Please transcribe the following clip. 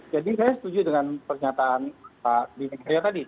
jadi saya setuju dengan pernyataan pak bima tadi